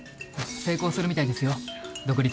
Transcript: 成功するみたいですよ独立。